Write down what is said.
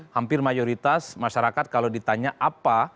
hampir mayoritas masyarakat kalau ditanya apa